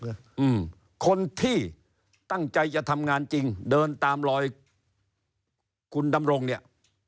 อืมคนที่ตั้งใจจะทำงานจริงเดินตามรอยคุณดำรงเนี่ย